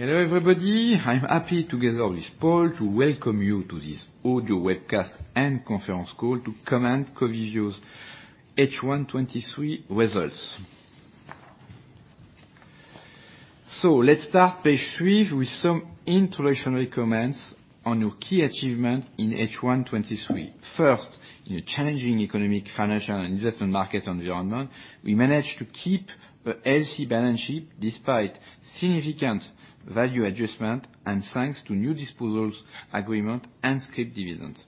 Hello, everybody. I'm happy, together with Paul, to welcome you to this audio webcast and conference call to comment Covivio's H1 2023 results. Let's start page three with some introductory comments on our key achievement in H1 2023. First, in a challenging economic, financial, and investment market environment, we managed to keep a healthy balance sheet despite significant value adjustment and thanks to new disposals, agreement, and scrip dividends.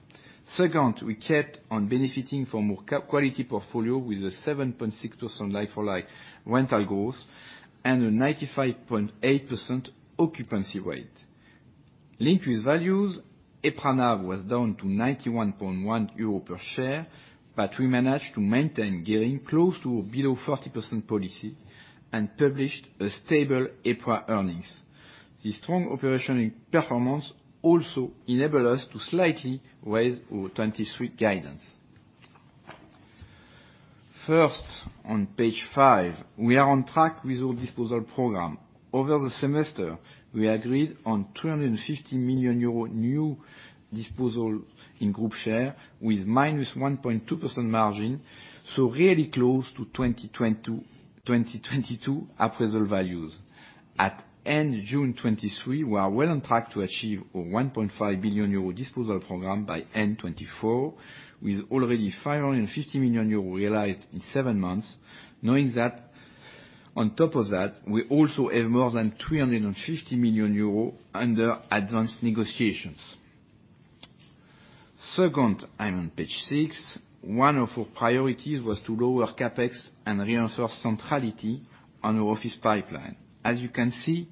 Second, we kept on benefiting from our quality portfolio with a 7.6% like-for-like rental growth and a 95.8% occupancy rate. Linked with values, EPRA NAV was down to 91.1 euros per share, we managed to maintain gearing close to below 40% policy and published a stable EPRA earnings. This strong operational performance also enable us to slightly raise our 2023 guidance. On page five, we are on track with our disposal program. Over the semester, we agreed on 250 million euro new disposal in group share with -1.2% margin, really close to 2022 appraisal values. At end June 2023, we are well on track to achieve a 1.5 billion euro disposal program by end 2024, with already 550 million euro realized in seven months, knowing that on top of that, we also have more than 350 million euros under advanced negotiations. I'm on page 6. One of our priorities was to lower CapEx and reinforce centrality on our office pipeline. As you can see,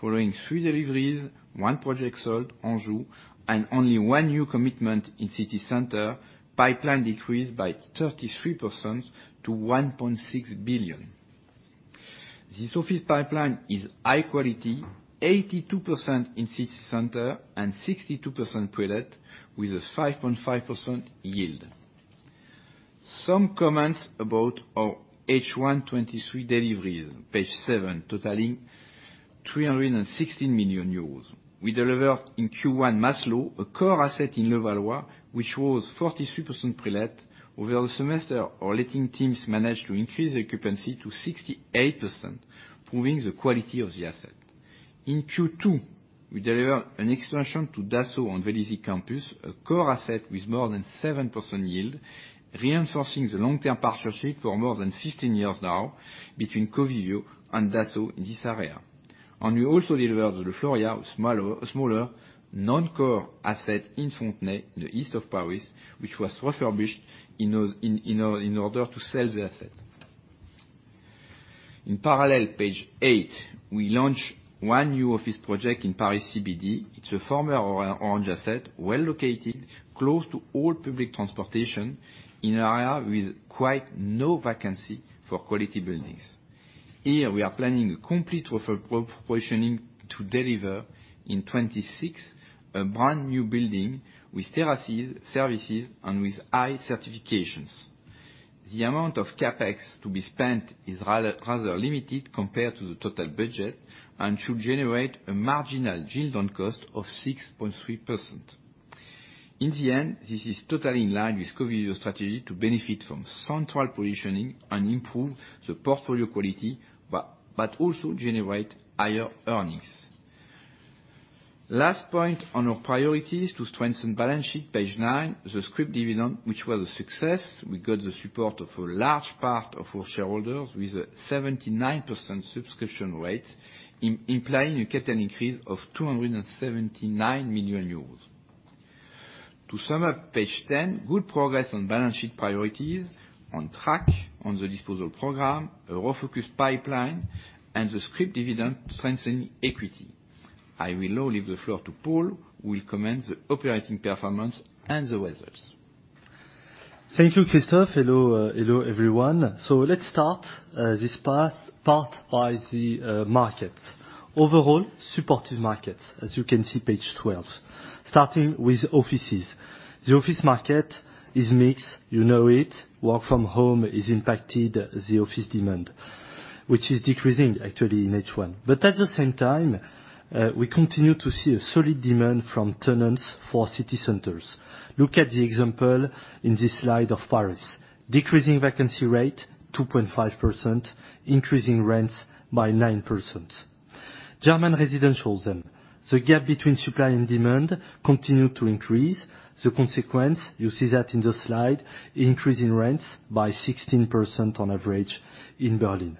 following three deliveries, one project sold, Anjou, and only one new commitment in city center, pipeline decreased by 33% to 1.6 billion. This office pipeline is high quality, 82% in city center and 62% prelet, with a 5.5% yield. Some comments about our H1 2023 deliveries, page 7, totaling 316 million euros. We delivered in Q1 Maslö, a core asset in Levallois, which was 43% prelet. Over the semester, our letting teams managed to increase the occupancy to 68%, proving the quality of the asset. In Q2, we deliver an expansion to Dassault on Vélizy Campus, a core asset with more than 7% yield, reinforcing the long-term partnership for more than 15 years now between Covivio and Dassault in this area. We also delivered Le Floria, a smaller non-core asset in Fontenay, in the east of Paris, which was refurbished in order to sell the asset. In parallel, page eight, we launched one new office project in Paris CBD. It's a former Orange asset, well located, close to all public transportation, in an area with quite no vacancy for quality buildings. Here, we are planning a complete repropositioning to deliver in 2026, a brand-new building with terraces, services, and with high certifications. The amount of CapEx to be spent is rather limited compared to the total budget and should generate a marginal yield on cost of 6.3%. In the end, this is totally in line with Covivio's strategy to benefit from central positioning and improve the portfolio quality, but also generate higher earnings. Last point on our priorities, to strengthen balance sheet, page nine. The scrip dividend, which was a success, we got the support of a large part of our shareholders, with a 79% subscription rate, implying a capital increase of 279 million euros. To sum up, page 10, good progress on balance sheet priorities, on track on the disposal program, a refocused pipeline, and the scrip dividend to strengthen equity. I will now leave the floor to Paul, who will comment the operating performance and the results. Thank you, Christophe. Hello, everyone. Let's start this path by the markets. Overall, supportive markets, as you can see, page 12. Starting with offices. The office market is mixed, you know it. Work from home has impacted the office demand, which is decreasing actually in H1. At the same time, we continue to see a solid demand from tenants for city centers. Look at the example in this slide of Paris. Decreasing vacancy rate, 2.5%. Increasing rents by 9%. German residential, the gap between supply and demand continue to increase. The consequence, you see that in the slide, increase in rents by 16% on average in Berlin.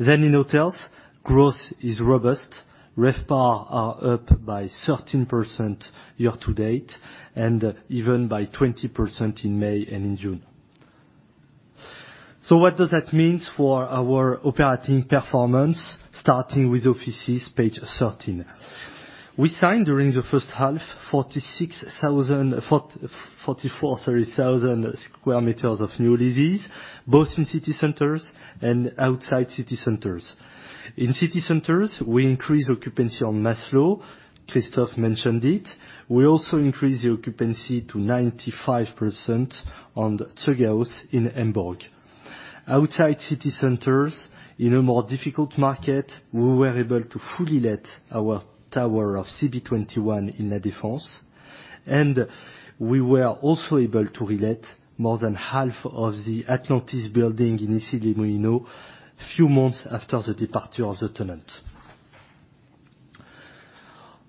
In hotels, growth is robust. RevPAR are up by 13% year-to-date, and even by 20% in May and in June. What does that means for our operating performance, starting with offices, page 13? We signed, during the first half, 44, sorry, 1,000 square meters of new leases, both in city centers and outside city centers. In city centers, we increased occupancy on Maslö. Christophe mentioned it. We also increased the occupancy to 95% on Zeughaus in Hamburg. Outside city centers, in a more difficult market, we were able to fully let our tower of CB21 in La Défense, and we were also able to relet more than half of the Atlantis building in Issy-les-Moulineaux few months after the departure of the tenant.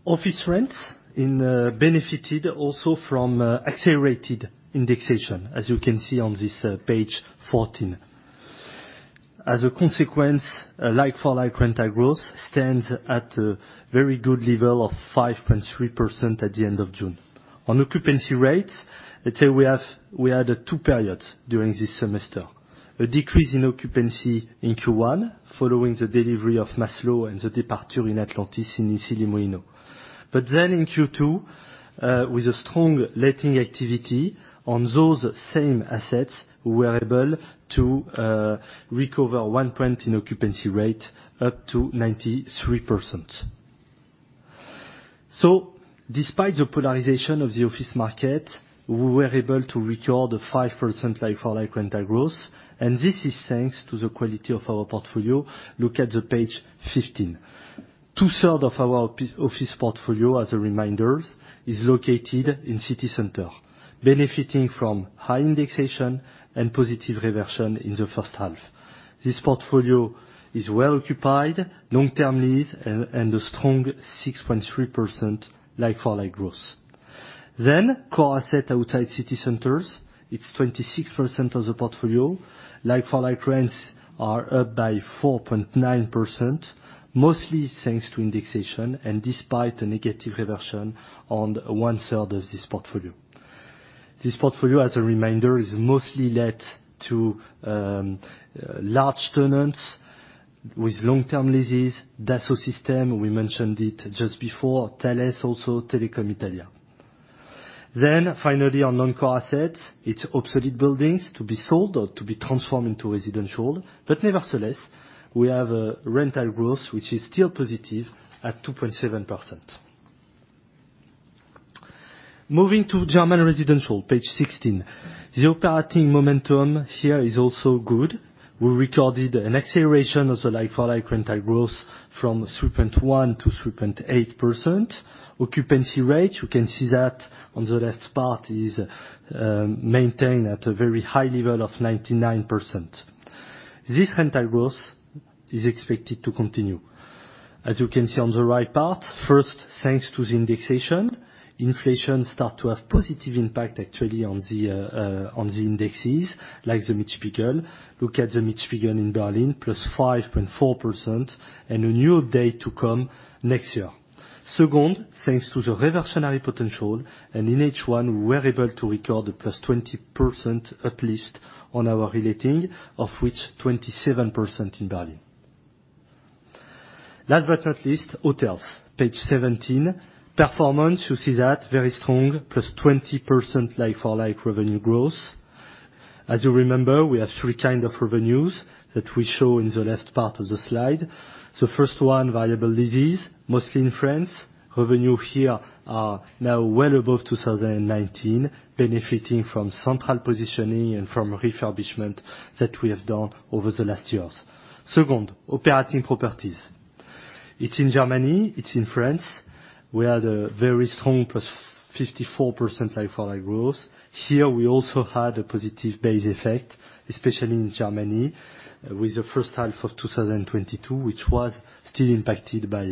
Office rents in benefited also from accelerated indexation, as you can see on this page 14. As a consequence, like-for-like rental growth stands at a very good level of 5.3% at the end of June. On occupancy rates, let's say we had two periods during this semester. A decrease in occupancy in Q1, following the delivery of Maslö and the departure in Atlantis in Issy-les-Moulineaux. In Q2, with a strong letting activity on those same assets, we were able to recover one point in occupancy rate up to 93%. Despite the polarization of the office market, we were able to record a 5% like-for-like rental growth, and this is thanks to the quality of our portfolio. Look at the page 15. 2/3 of our office portfolio, as a reminder, is located in city center, benefiting from high indexation and positive reversion in the first half. This portfolio is well occupied, long-term lease, and a strong 6.3% like-for-like growth. Core asset outside city centers, it's 26% of the portfolio. Like-for-like rents are up by 4.9%, mostly thanks to indexation and despite a negative reversion on 1/3 of this portfolio. This portfolio, as a reminder, is mostly let to large tenants with long-term leases. Dassault Systèmes, we mentioned it just before. Thales, also Telecom Italia. Finally, on non-core assets, it's obsolete buildings to be sold or to be transformed into residential. Nevertheless, we have a rental growth, which is still positive at 2.7%. Moving to German residential, page 16. The operating momentum here is also good. We recorded an acceleration of the like-for-like rental growth from 3.1% to 3.8%. Occupancy rate, you can see that on the left part, is maintained at a very high level of 99%. This rental growth is expected to continue. As you can see on the right part, first, thanks to the indexation, inflation start to have positive impact actually on the indexes, like the Mietspiegel. Look at the Mietspiegel in Berlin, +5.4%, and a new update to come next year. Second, thanks to the reversionary potential, and in H1, we were able to record a +20% uplift on our relating, of which 27% in Berlin. Last but not least, hotels. Page 17. Performance, you see that, very strong, +20% like-for-like revenue growth. As you remember, we have three kind of revenues that we show in the left part of the slide. First one, variable leases, mostly in France. Revenue here are now well above 2019, benefiting from central positioning and from refurbishment that we have done over the last years. Second, operating properties. It's in Germany, it's in France. We had a very strong +54% like-for-like growth. Here, we also had a positive base effect, especially in Germany, with the first half of 2022, which was still impacted by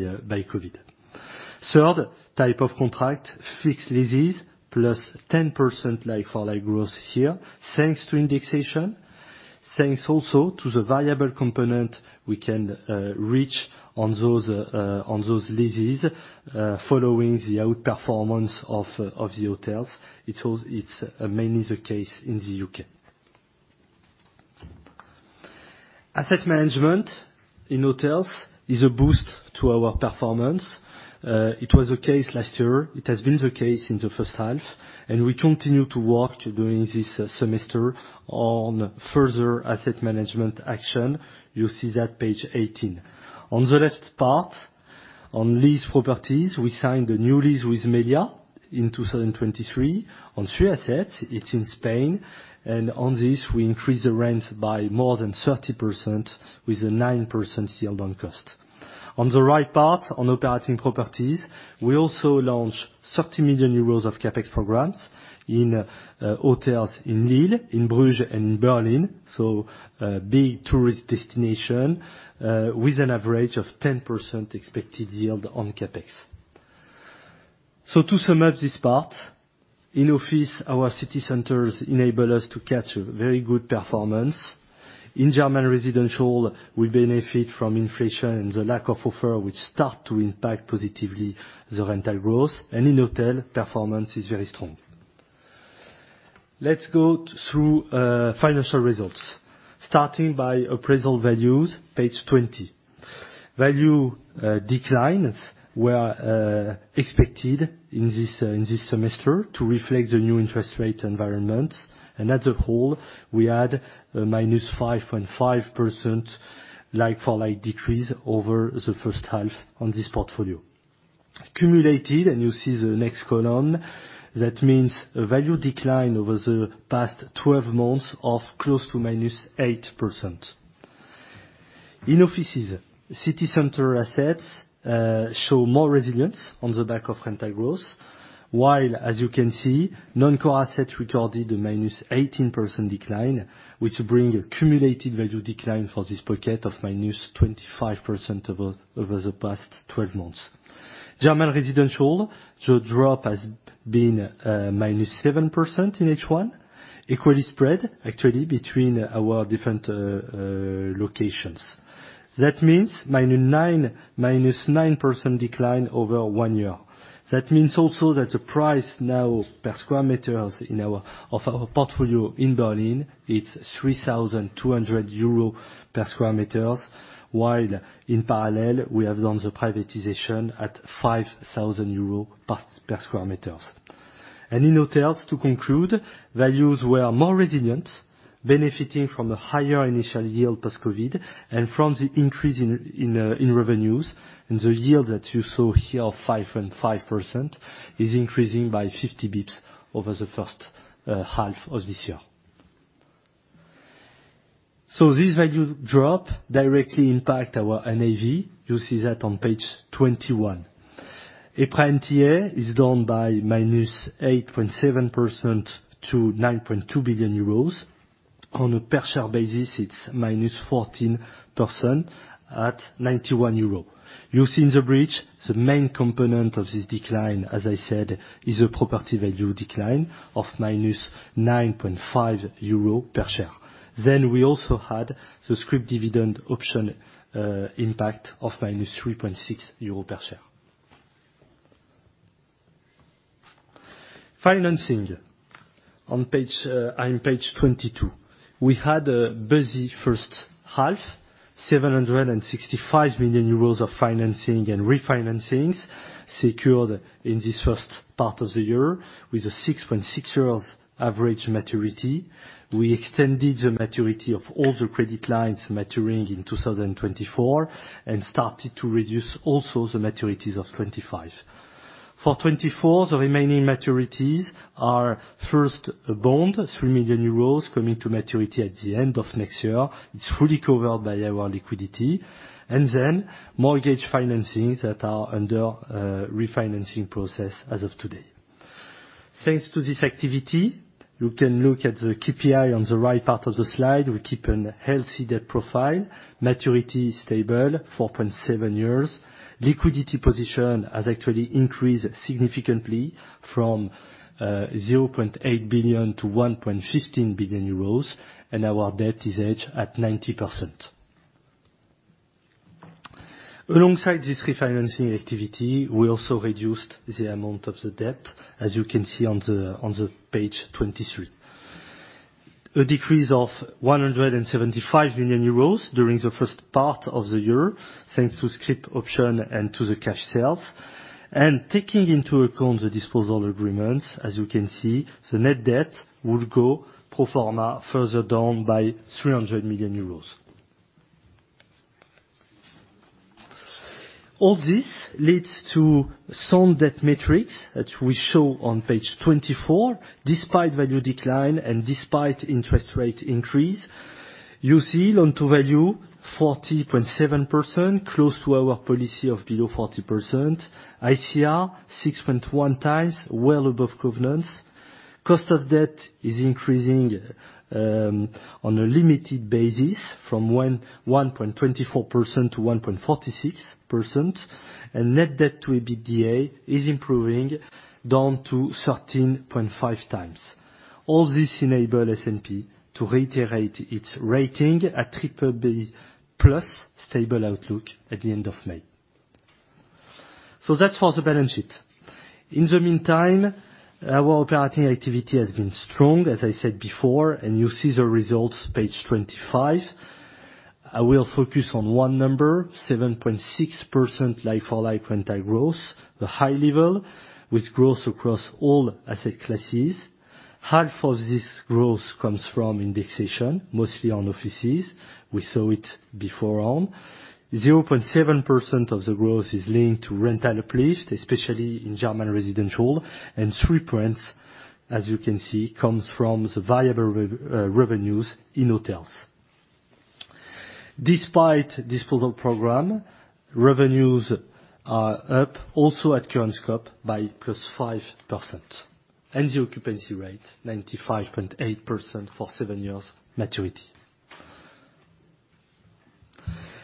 Covid. Third type of contract, fixed leases, +10% like-for-like growth this year, thanks to indexation, thanks also to the variable component we can reach on those leases, following the outperformance of the hotels. It's mainly the case in the U.K. Asset management in hotels is a boost to our performance. It was the case last year, it has been the case in the first half, and we continue to work during this semester on further asset management action. You see that, page 18. On the left part, on lease properties, we signed a new lease with Meliá in 2023. On three assets, it's in Spain, and on this, we increased the rent by more than 30%, with a 9% yield on cost. On the right part, on operating properties, we also launched 30 million euros of CapEx programs in hotels in Lille, in Bruges, and Berlin, so big tourist destination, with an average of 10% expected yield on CapEx. To sum up this part, in office, our city centers enable us to catch a very good performance. In German residential, we benefit from inflation and the lack of offer, which start to impact positively the rental growth. In hotel, performance is very strong. Let's go through financial results, starting by appraisal values, page 20. Value declines were expected in this semester to reflect the new interest rate environment. As a whole, we had a -5.5% like-for-like decrease over the first half on this portfolio. Cumulated, you see the next column, that means a value decline over the past 12 months of close to -8%. In offices, city center assets show more resilience on the back of rental growth, while, as you can see, non-core assets recorded a -18% decline, which bring a cumulated value decline for this pocket of -25% over the past 12 months. German residential, the drop has been -7% in H1, equally spread actually between our different locations. That means -9% decline over one year. That means also that the price now per square meters in our, of our portfolio in Berlin, it's 3,200 euros per square meters, while in parallel, we have done the privatization at 5,000 euros per square meters. In hotels, to conclude, values were more resilient, benefiting from the higher initial yield post-COVID, and from the increase in revenues, and the yield that you saw here, 5.5%, is increasing by 50 basis points over the first half of this year. This value drop directly impact our NAV. You see that on page 21. EBITDA is down by -8.7% to 9.2 billion euros. On a per-share basis, it's -14% at 91 euros. You see in the bridge, the main component of this decline, as I said, is a property value decline of -9.5 euro per share. We also had the scrip dividend option impact of -3.6 euro per share. Financing. On page 22, we had a busy first half, 765 million euros of financing and refinancings secured in this first part of the year, with a 6.6 years average maturity. We extended the maturity of all the credit lines maturing in 2024, and started to reduce also the maturities of 2025. For 2024, the remaining maturities are first a bond, 3 million euros, coming to maturity at the end of next year. It's fully covered by our liquidity, and mortgage financings that are under refinancing process as of today. Thanks to this activity, you can look at the KPI on the right part of the slide. We keep a healthy debt profile. Maturity is stable, 4.7 years. Liquidity position has actually increased significantly from 0.8 billion to 1.15 billion euros, and our debt is hedged at 90%. Alongside this refinancing activity, we also reduced the amount of the debt, as you can see on the page 23. A decrease of 175 million euros during the first part of the year, thanks to scrip option and to the cash sales. Taking into account the disposal agreements, as you can see, the net debt would go pro forma further down by 300 million euros. All this leads to sound debt metrics, that we show on page 24. Despite value decline and despite interest rate increase, you see loan to value 40.7%, close to our policy of below 40%. ICR 6.1x, well above covenants. Cost of debt is increasing on a limited basis from 1.24% to 1.46%, and Net Debt/EBITDA is improving, down to 13.5x. All this enable S&P to reiterate its rating at BBB+ stable outlook at the end of May. That's for the balance sheet. In the meantime, our operating activity has been strong, as I said before, and you see the results, page 25. I will focus on one number, 7.6% like-for-like rental growth, a high level with growth across all asset classes. Half of this growth comes from indexation, mostly on offices. We saw it before on. 0.7% of the growth is linked to rental uplift, especially in German residential, and three points, as you can see, comes from the variable revenues in hotels. Despite disposal program, revenues are up also at current scope by +5%, and the occupancy rate 95.8% for seven years maturity.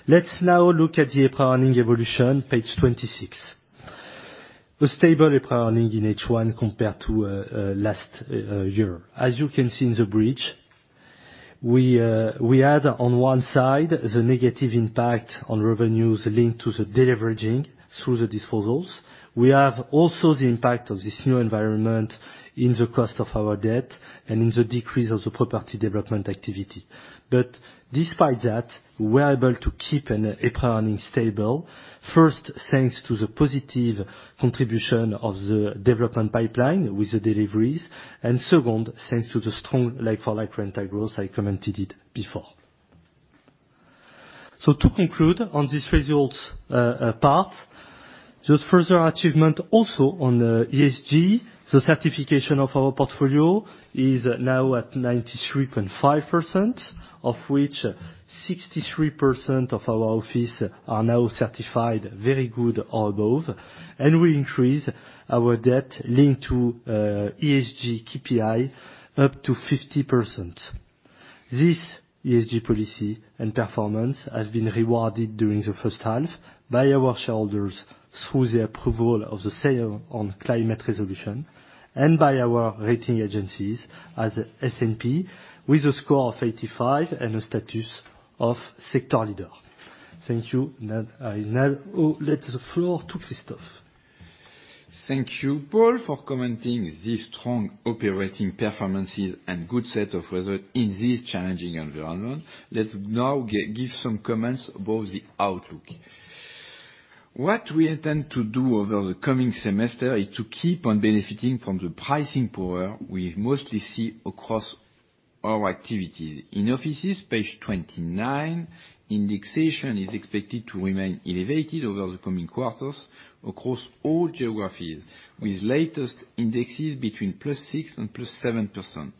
Let's now look at the EPRA earning evolution, page 26. The stable EPRA earning in H1 compared to last year. As you can see in the bridge, we add on one side the negative impact on revenues linked to the deleveraging through the disposals. We have also the impact of this new environment in the cost of our debt and in the decrease of the property development activity. Despite that, we are able to keep an EPRA earning stable, first, thanks to the positive contribution of the development pipeline with the deliveries, and second, thanks to the strong like-for-like rental growth, I commented it before. To conclude on this results part, just further achievement also on the ESG, the certification of our portfolio is now at 93.5%, of which 63% of our office are now certified very good or above, and we increase our debt linked to ESG KPI up to 50%. This ESG policy and performance has been rewarded during the first half by our shareholders through the approval of the sale on climate resolution and by our rating agencies as S&P, with a score of 85 and a status of sector leader. Thank you. Now, I let the floor to Christophe. Thank you, Paul, for commenting this strong operating performances and good set of results in this challenging environment. Let's now give some comments about the outlook. What we intend to do over the coming semester is to keep on benefiting from the pricing power we mostly see across our activities. In offices, page 29, indexation is expected to remain elevated over the coming quarters across all geographies, with latest indexes between +6 and +7%.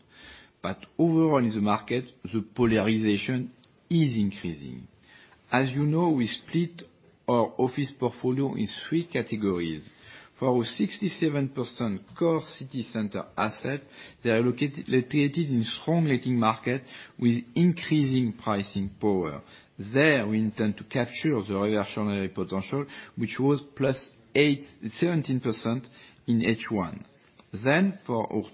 Overall, in the market, the polarization is increasing. As you know, we split our office portfolio in three categories. For our 67% core city center asset, they are located in strong letting market with increasing pricing power. There, we intend to capture the reversionary potential, which was 17% in H1. For our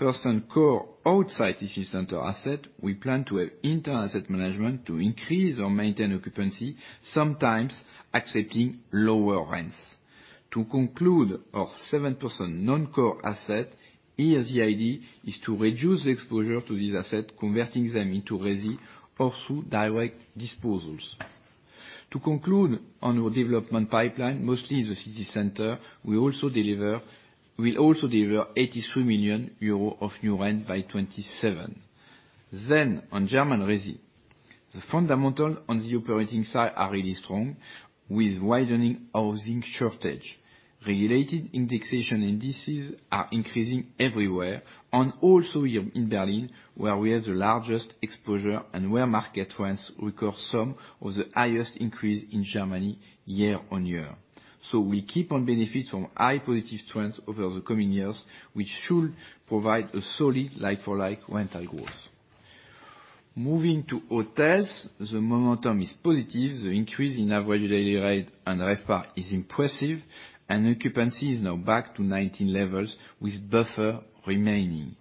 26% core outside city center asset, we plan to have internal asset management to increase or maintain occupancy, sometimes accepting lower rents. To conclude, our 7% non-core asset, here the idea is to reduce the exposure to this asset, converting them into resi or through direct disposals. To conclude on our development pipeline, mostly the city center, we'll also deliver 83 million euro of new rent by 2027. On German resi, the fundamental on the operating side are really strong, with widening housing shortage. Regulated indexation indices are increasing everywhere, and also here in Berlin, where we have the largest exposure and where market rents record some of the highest increase in Germany year-on-year. We keep on benefit from high positive trends over the coming years, which should provide a solid like-for-like rental growth. Moving to hotels, the momentum is positive. The increase in average daily rate and RevPAR is impressive, and occupancy is now back to 19 levels, with buffer remaining.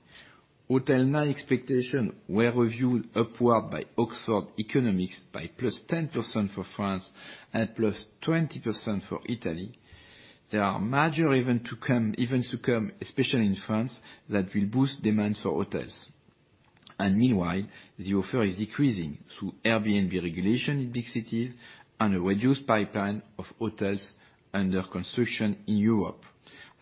Hotel my expectation were reviewed upward by Oxford Economics by +10% for France and +20% for Italy. There are major events to come, especially in France, that will boost demand for hotels. Meanwhile, the offer is decreasing through Airbnb regulation in big cities and a reduced pipeline of hotels under construction in Europe.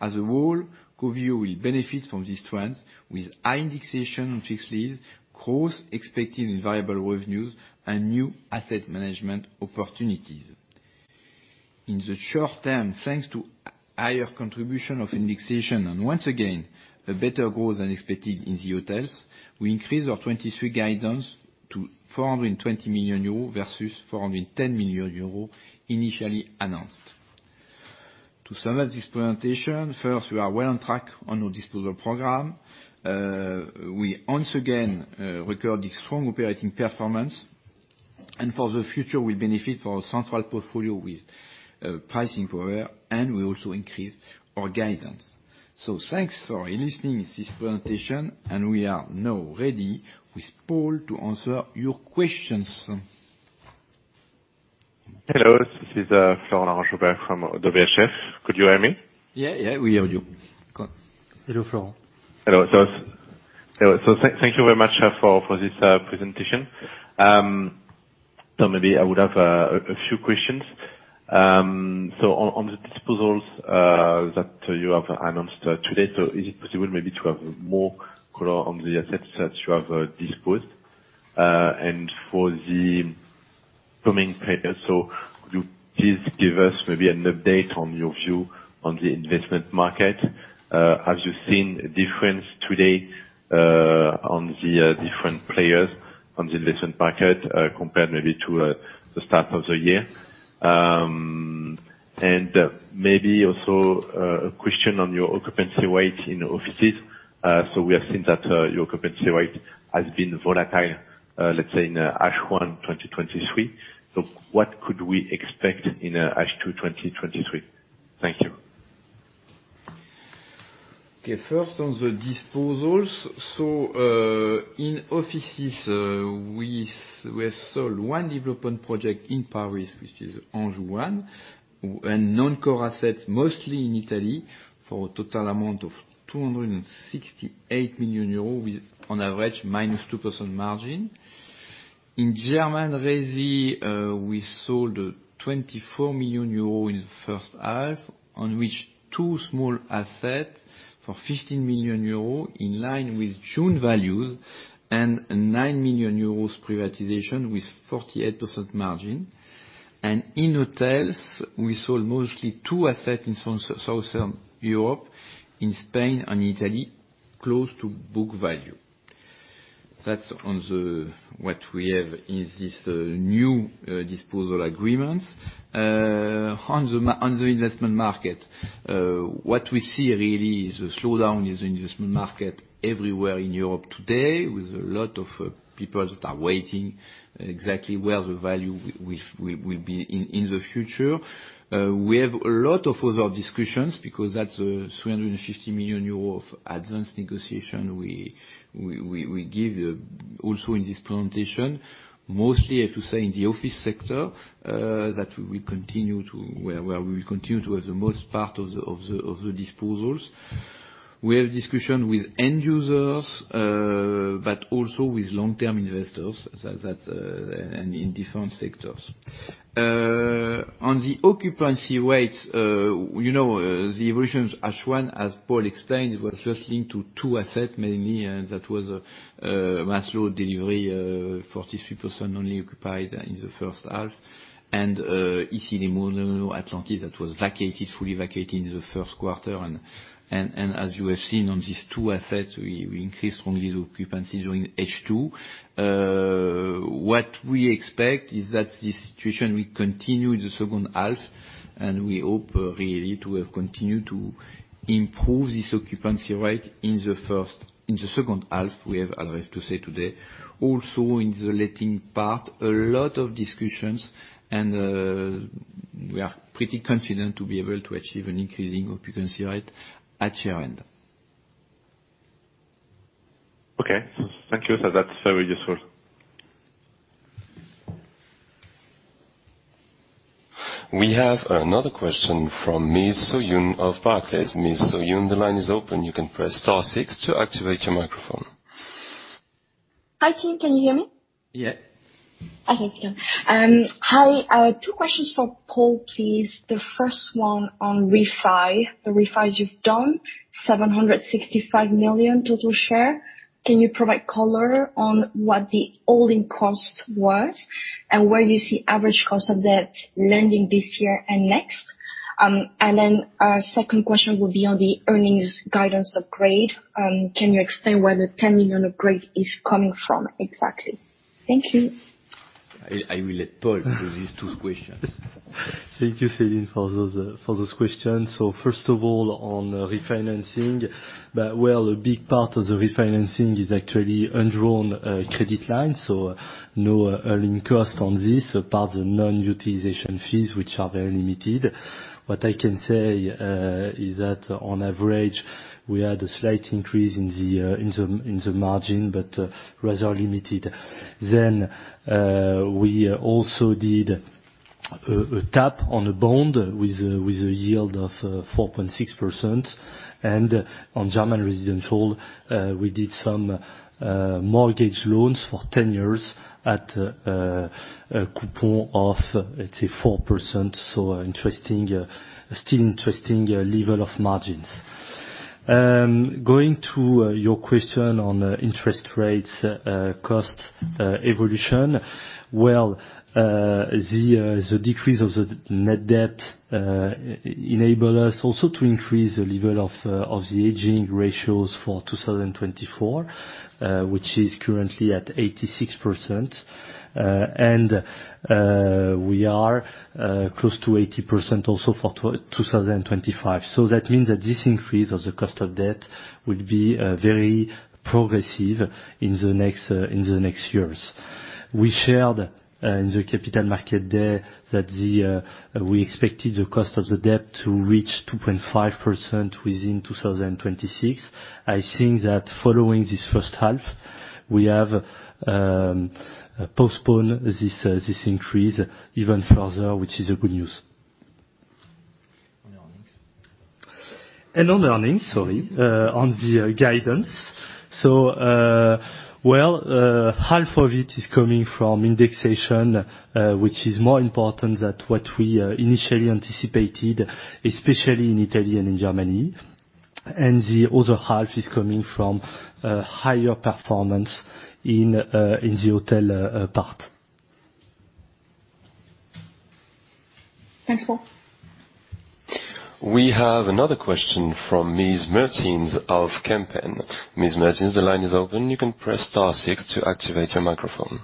As a whole, Covivio will benefit from these trends with high indexation on fixed lease, growth expected in variable revenues, and new asset management opportunities. In the short term, thanks to higher contribution of indexation, and once again, a better growth than expected in the hotels, we increased our 2023 guidance to 420 million euro versus 410 million euro initially announced. To summarize this presentation, first, we are well on track on our disposal program. We once again record the strong operating performance. For the future, we benefit from a central portfolio with pricing power. We also increase our guidance. Thanks for listening to this presentation. We are now ready with Paul to answer your questions. Hello, this is Florent Laroche-Joubert from ODDO BHF. Could you hear me? Yeah, yeah, we hear you. Go on. Hello, Florent. Hello, sir. Thank you very much for this presentation. Maybe I would have a few questions. On the disposals that you have announced today, is it possible maybe to have more color on the assets that you have disposed? And for the coming period, could you please give us maybe an update on your view on the investment market? Have you seen a difference today on the different players on the investment market compared maybe to the start of the year? And maybe also a question on your occupancy rate in offices. We have seen that your occupancy rate has been volatile, let's say in H1 2023. What could we expect in H2 2023? Thank you. Okay, first, on the disposals. In offices, we have sold one development project in Paris, which is Anjou, and non-core assets, mostly in Italy, for a total amount of 268 million euros, with on average, -2% margin. In German resi, we sold 24 million euro in the first half, on which two small asset for 15 million euro, in line with June values, and a 9 million euros privatization with 48% margin. In hotels, we sold mostly two assets in Southern Europe, in Spain and Italy, close to book value. That's on the, what we have in this, new, disposal agreements. On the investment market, what we see really is a slowdown in the investment market everywhere in Europe today, with a lot of people that are waiting exactly where the value will be in the future. We have a lot of other discussions, because that's 350 million euro of advanced negotiation we give also in this presentation. Mostly, I have to say, in the office sector, that we will continue to... Where we will continue to have the most part of the disposals. We have discussion with end users, but also with long-term investors, that, and in different sectors. On the occupancy rate, you know, the evolutions, H1, as Paul explained, it was just linked to two assets, mainly, and that was Maslö delivery, 43% only occupied in the first half. And Issy-les-Moulineaux Atlantis, that was vacated, fully vacated in the first quarter. As you have seen on these two assets, we increased strongly the occupancy during H2. What we expect is that this situation will continue in the second half, and we hope really to continue to improve this occupancy rate in the second half, I have to say today. Also, in the letting part, a lot of discussions, and we are pretty confident to be able to achieve an increasing occupancy rate at year-end. Okay. Thank you. That's very useful. We have another question from Ms. Soo-Huynh of Barclays. Ms. Soo-Huynh, the line is open. You can press star six to activate your microphone. Hi, team. Can you hear me? Yeah. I think so. Two questions for Paul, please. The first one on refi. The refis you've done, 765 million total share. Can you provide color on what the all-in cost was, and where you see average cost of debt lending this year and next? Second question would be on the earnings guidance upgrade. Can you explain where the 10 million upgrade is coming from, exactly? Thank you. I will let Paul answer these two questions. Thank you, Céline, for those questions. First of all, on refinancing, but, well, a big part of the refinancing is actually undrawn credit line, so no earning cost on this, apart the non-utilization fees, which are very limited. What I can say, is that on average, we had a slight increase in the margin, but rather limited. We also did a cap on a bond with a yield of 4.6%. On German residential, we did some mortgage loans for 10 years at a coupon of, let's say, 4%. Interesting, still interesting level of margins. Going to your question on interest rates, cost evolution. Well, the decrease of the net debt enable us also to increase the level of the aging ratios for 2024, which is currently at 86%. We are close to 80% also for 2025. That means that this increase of the cost of debt will be very progressive in the next in the next years. We shared in the capital market day, that we expected the cost of the debt to reach 2.5% within 2026. I think that following this first half, we have postponed this increase even further, which is a good news. On the earnings. On the earnings, sorry, on the guidance. Well, half of it is coming from indexation, which is more important than what we initially anticipated, especially in Italy and in Germany. The other half is coming from higher performance in the hotel part. Thanks, Paul. We have another question from Ms. Meertens of Kempen. Ms. Meertens, the line is open. You can press star six to activate your microphone.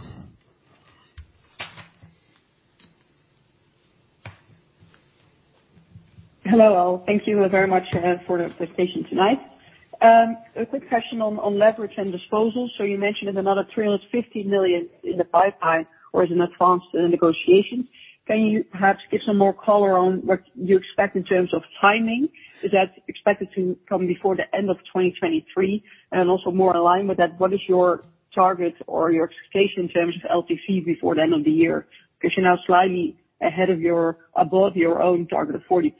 Hello, all. Thank you very much for the presentation tonight. A quick question on leverage and disposals. You mentioned there's another 350 million in the pipeline or is in advance in negotiation. Can you perhaps give some more color on what you expect in terms of timing? Is that expected to come before the end of 2023? Also more aligned with that, what is your target or your expectation in terms of LTV before the end of the year? You're now slightly above your own target of 40%.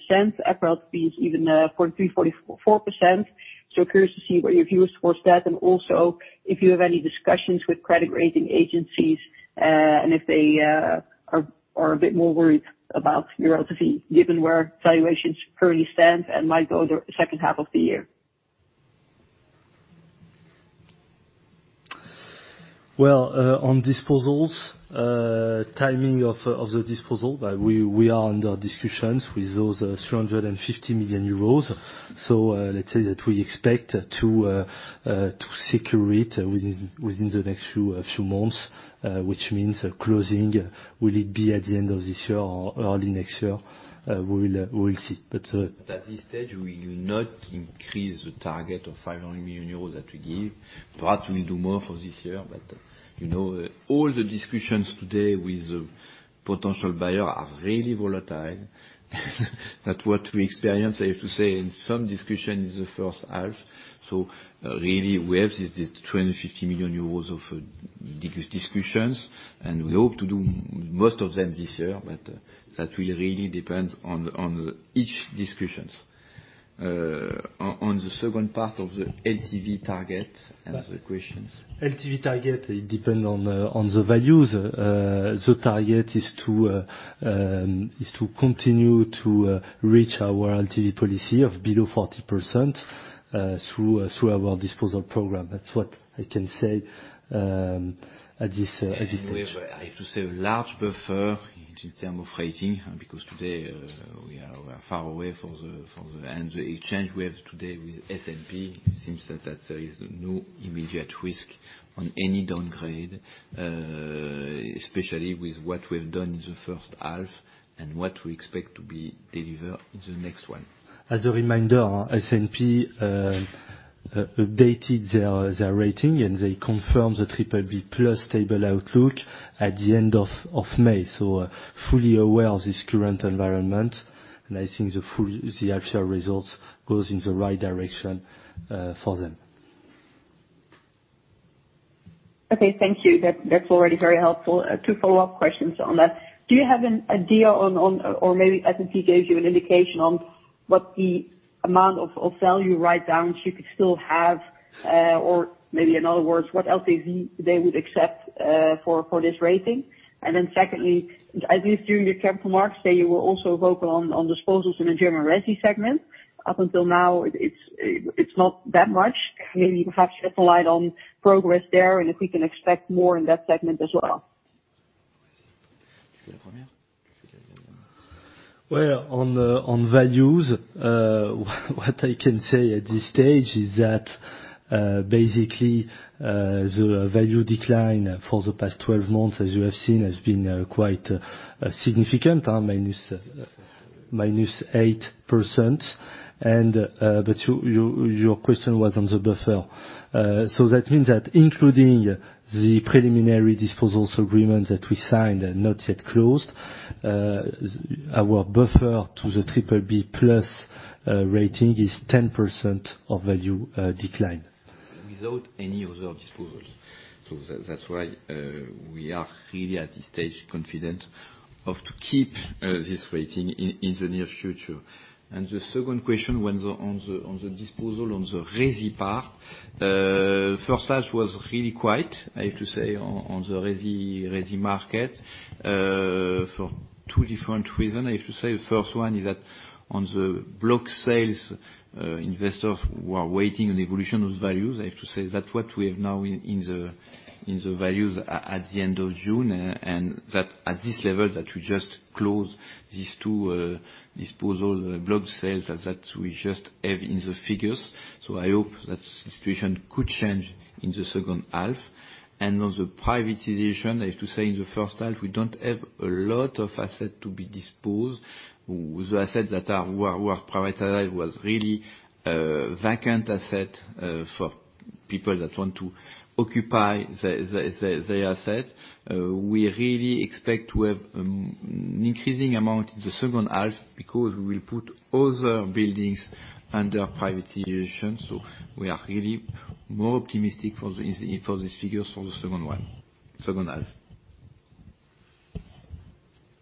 FRLTV is even 43%-44%. Curious to see what your views towards that, and also if you have any discussions with credit rating agencies, and if they are a bit more worried about your LTV, given where valuations currently stand and might go the second half of the year? Well, on disposals, timing of the disposal, but we are under discussions with those 350 million euros. Let's say that we expect to secure it within the next few months, which means closing, will it be at the end of this year or early next year? We will see. At this stage, we will not increase the target of 500 million euros that we give. Perhaps we'll do more for this year, you know, all the discussions today with the potential buyer are really volatile. That what we experience, I have to say, in some discussions in the first half. really we have is this 250 million euros of discussions, and we hope to do most of them this year, but that will really depend on each discussions. on the second part of the LTV target and the questions. LTV target, it depends on the, on the values. The target is to continue to reach our LTV policy of below 40% through our disposal program. That's what I can say at this, at this stage. We have, I have to say, a large buffer in term of rating, because today, we are far away for the... The exchange we have today with S&P, it seems that there is no immediate risk on any downgrade, especially with what we've done in the first half and what we expect to be delivered in the next one. As a reminder, S&P updated their rating, and they confirmed the BBB+ stable outlook at the end of May. Fully aware of this current environment, and I think the actual results goes in the right direction for them. Okay. Thank you. That's already very helpful. Two follow-up questions on that. Do you have an idea on or maybe S&P gave you an indication on what the amount of value write-downs you could still have, or maybe in other words, what LTV they would accept for this rating? Secondly, at least during the Capital Markets Day, you were also vocal on disposals in the German resi segment. Up until now, it's not that much. Maybe you can perhaps shed some light on progress there, and if we can expect more in that segment as well. Well, on values, what I can say at this stage is that, basically, the value decline for the past 12 months, as you have seen, has been quite significant, -8%. Your, your question was on the buffer. That means that including the preliminary disposals agreement that we signed, not yet closed, our buffer to the BBB+ rating is 10% of value decline. Without any other disposals. That, that's why, we are really at this stage, confident of to keep this rating in the near future. The second question, on the disposal, on the resi part, first half was really quiet, I have to say, on the resi market, for two different reason, I have to say. The first one is that on the block sales, investors were waiting on the evolution of values. I have to say that what we have now in the values at the end of June, and that at this level, that we just closed these two disposal block sales, that we just have in the figures. I hope that the situation could change in the second half. On the privatization, I have to say in the first half, we don't have a lot of assets to be disposed. The assets that were privatized was really, vacant asset, for people that want to occupy the asset. We really expect to have an increasing amount in the second half, because we will put other buildings under privatization. We are really more optimistic for these figures for the second half.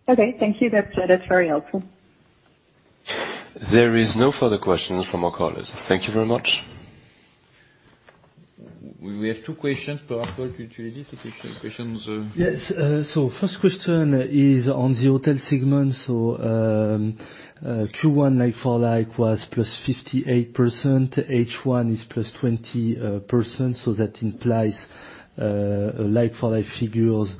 Okay. Thank you. That's, that's very helpful. There is no further questions from our callers. Thank you very much. We have two questions per call to edit questions. Yes, first question is on the hotel segment. Q1 like-for-like was +58%, H1 is +20%, that implies like-for-like figures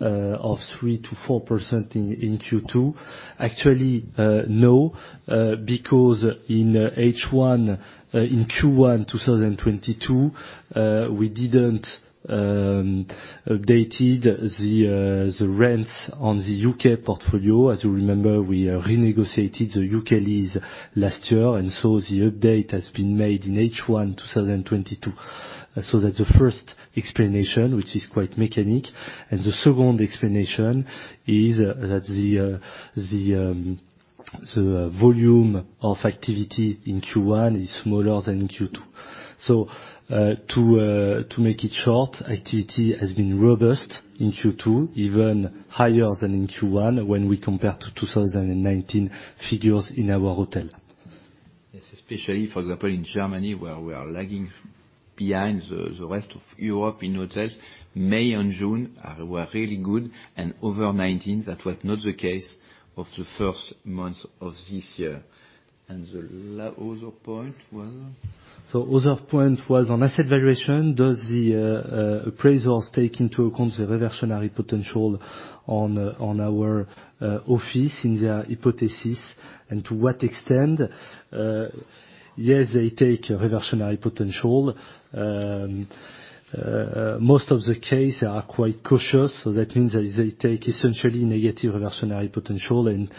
of 3%-4% in Q2. Actually, no, because in H1, in Q1 2022, we didn't updated the rents on the U.K. portfolio. As you remember, we renegotiated the U.K. lease last year, the update has been made in H1 2022. That's the first explanation, which is quite mechanic. The second explanation is that the volume of activity in Q1 is smaller than in Q2. To make it short, activity has been robust in Q2, even higher than in Q1 when we compare to 2019 figures in our hotel. Yes, especially, for example, in Germany, where we are lagging behind the rest of Europe in hotels. May and June were really good, and over 19, that was not the case of the first months of this year. The other point was? Other point was on asset valuation, does the appraisals take into account the reversionary potential on our office in their hypothesis, and to what extent? Yes, they take a reversionary potential. Most of the case, they are quite cautious, so that means that they take essentially negative reversionary potential, and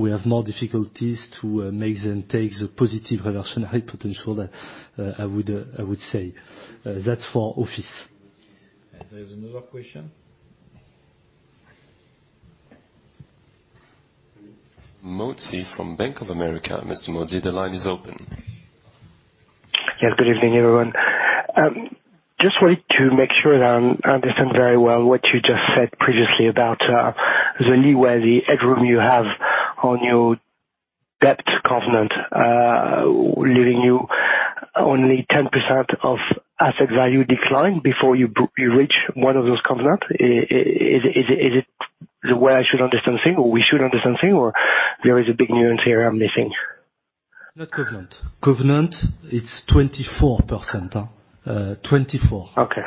we have more difficulties to make them take the positive reversionary potential that I would say. That's for office. There is another question? Mozzi from Bank of America. Mr. Mozzi, the line is open. Yes, good evening, everyone. just wanted to make sure that I understand very well what you just said previously about the leeway, the headroom you have on your debt covenant, leaving you only 10% of asset value decline before you reach one of those covenant. Is it the way I should understand thing, or we should understand thing, or there is a big nuance here I'm missing? Not covenant. Covenant, it's 24%, 24%. Okay.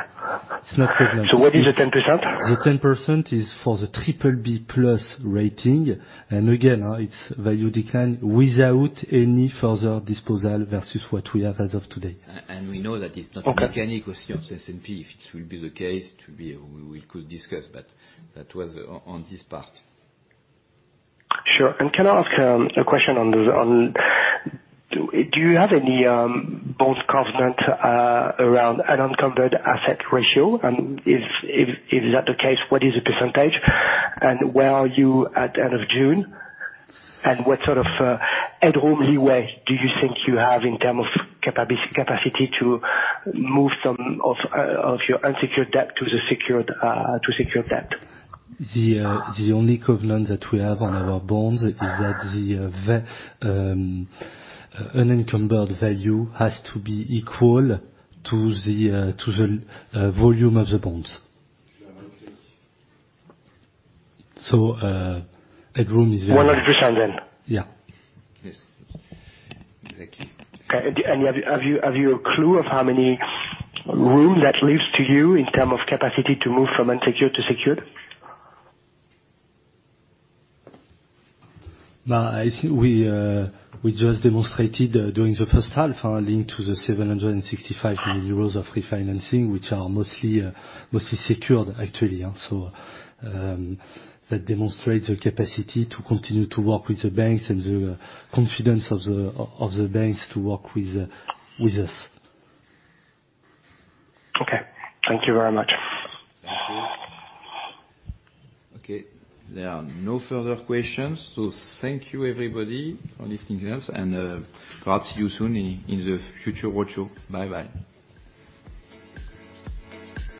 It's not covenant. What is the 10%? The 10% is for the BBB+ rating, and again, it's value decline without any further disposal versus what we have as of today. we know that it's. Okay. Mechanical S&P, if it will be the case, it will be, we could discuss. That was on this part. Sure. Can I ask a question? Do you have any bonds covenant around unencumbered asset ratio? If that the case, what is the percentage, and where are you at end of June? What sort of headroom leeway do you think you have in terms of capacity to move some of your unsecured debt to secured debt? The only covenant that we have on our bonds is that the unencumbered value has toon the resi market, for two different reason, I have to say. The first one is that on the block sales, investors were waiting on the evolution of values. I have to say that what we have now in the values at the end of June, and that at be equal to the volume of the bonds. Okay. headroom. 100% then? Yeah. Yes, exactly. Okay. Have you a clue of how many room that leaves to you in term of capacity to move from unsecured to secured? I think we just demonstrated, during the first half, linked to the 765 million euros of refinancing, which are mostly secured actually, yeah. That demonstrates the capacity to continue to work with the banks and the confidence of the banks to work with us. Okay. Thank you very much. Thank you. Okay, there are no further questions. Thank you, everybody, for listening to us, and, perhaps see you soon in the future roadshow. Bye-bye.